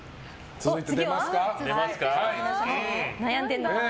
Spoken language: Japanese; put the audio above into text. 続いて。